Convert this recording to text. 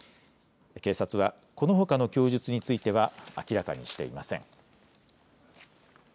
警察はこのほかの供述については明らかにしていません。